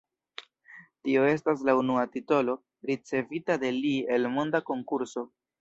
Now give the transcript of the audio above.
Tio estas la unua titolo, ricevita de li el monda konkurso.